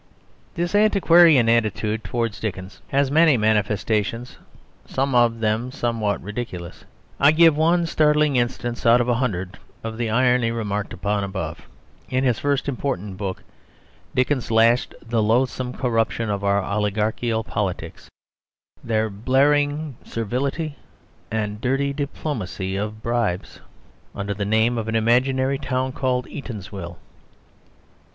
This antiquarian attitude towards Dickens has many manifestations, some of them somewhat ridiculous. I give one startling instance out of a hundred of the irony remarked upon above. In his first important book, Dickens lashed the loathsome corruption of our oligarchical politics, their blaring servility and dirty diplomacy of bribes, under the name of an imaginary town called Eatanswill.